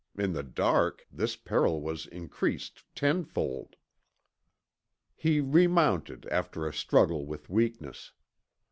In the dark, this peril was increased tenfold. He remounted after a struggle with weakness.